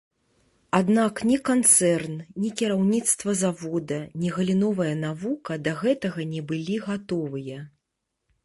Аднак ні канцэрн, ні кіраўніцтва завода, ні галіновая навука да гэтага не былі гатовыя.